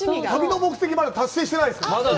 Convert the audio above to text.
旅の目的、まだ達成してないです。